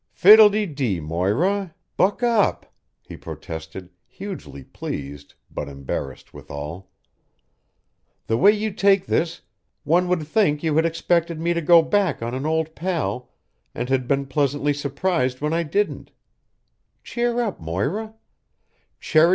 "Fiddle de dee, Moira! Buck up," he protested, hugely pleased, but embarrassed withal. "The way you take this, one would think you had expected me to go back on an old pal and had been pleasantly surprised when I didn't. Cheer up, Moira!